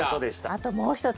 あともう一つ。